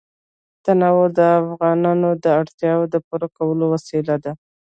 تنوع د افغانانو د اړتیاوو د پوره کولو وسیله ده.